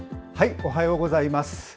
おはようございます。